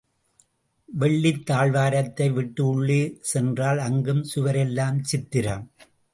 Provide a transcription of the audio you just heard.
வெளித் தாழ்வாரத்தை விட்டு உள்ளே சென்றால் அங்கும் சுவரெல்லாம் சித்திரம்.